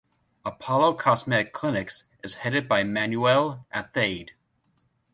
Apollo Cosmetic Clinics is headed by Manuel Athayde.